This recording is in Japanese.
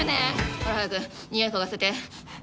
ほら早くにおい嗅がせて。